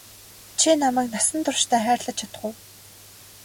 Чи намайг насан туршдаа хайрлаж чадах уу?